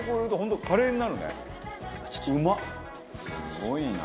すごいな。